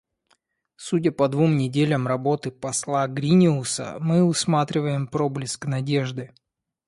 Судя по двум неделям работы посла Гриниуса, мы усматриваем проблеск надежды.